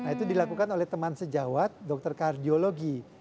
nah itu dilakukan oleh teman sejawat dokter kardiologi